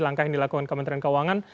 langkah yang dilakukan kementerian keuangan